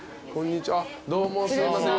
どうもすいません